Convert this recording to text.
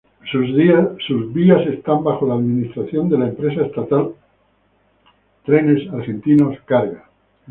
Sus vías están bajo la administración de la empresa estatal Trenes Argentinos Cargas.